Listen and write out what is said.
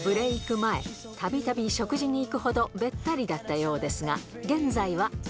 前、たびたび食事に行くほどべったりだったようですが、現在は。